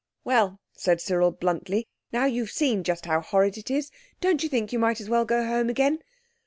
"Well," said Cyril bluntly, "now you've seen just how horrid it is, don't you think you might as well go home again?"